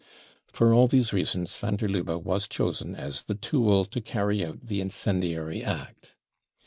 For all these reasons van der Lubbe was chosen as the tool to cany out the incendiary act.